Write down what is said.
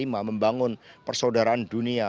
membangun persaudaraan dunia